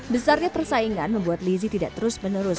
besarnya persaingan membuat lizzie tidak terus menerus